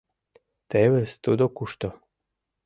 Тевыс тудо кушто!